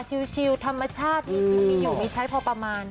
อยู่ธรรมชาติอยู่มีใช้พอประมาณ